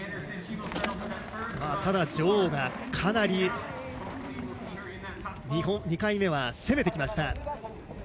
ただ、女王が２回目は攻めてきました。